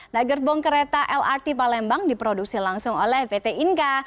nah gerbong kereta lrt palembang diproduksi langsung oleh pt inka